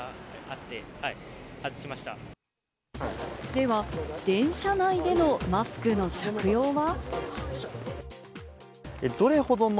では、電車内でのマスクの着用は？